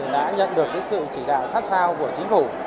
đã nhận được sự chỉ đạo sát sao của chính phủ